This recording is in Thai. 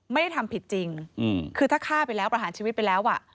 ไม่ได้ทำผิดจริงคือถ้าฆ่าไปแล้วประหารชีวิตไปแล้วอ่ะ